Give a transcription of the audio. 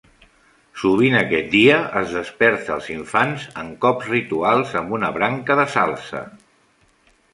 Sovint aquest dia es desperta els infants amb cops rituals amb una branca de salze.